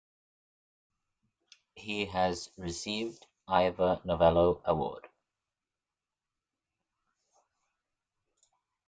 He has received Ivor Novello Award.